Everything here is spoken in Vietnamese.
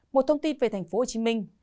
một thông tin về thành phố hồ chí minh